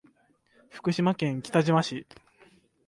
徳島県北島町